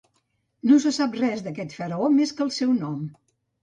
No se sap res d'aquest faraó més que el seu nom.